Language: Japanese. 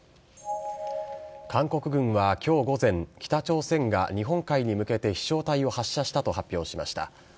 韓国軍はきょう午前、北朝鮮が日本海に向けて飛しょう体を発射したと発表しました。